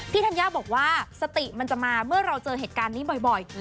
ธัญญาบอกว่าสติมันจะมาเมื่อเราเจอเหตุการณ์นี้บ่อย